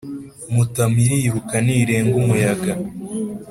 Mutamu iriruka ntirenga-Umuyaga.